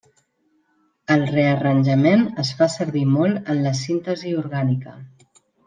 El rearranjament es fa servir molt en la síntesi orgànica.